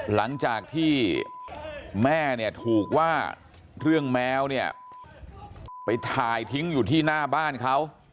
หลังจากที่แม่เนี่ยถูกว่าเรื่องแมวเนี่ยไปถ่ายทิ้งอยู่ที่หน้าบ้านเขา